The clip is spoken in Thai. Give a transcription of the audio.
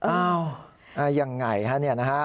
อ้าวยังไงฮะเนี่ย